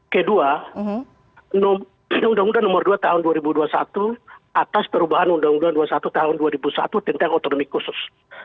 kedua ini undang undang nomor dua tahun dua ribu dua puluh satu atas perubahan undang undang dua puluh satu tahun dua ribu satu tentang otonomi khusus